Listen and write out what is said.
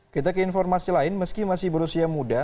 kita ke informasi lain meski masih berusia muda